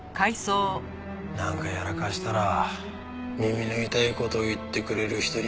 なんかやらかしたら耳の痛い事言ってくれる人に話せ。